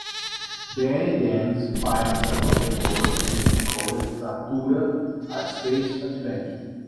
Danny then finds another board game called "Zathura: A Space Adventure".